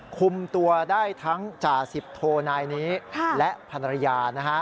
คุมตัวได้ทั้งจ่าสิบโทนายนี้และภรรยานะฮะ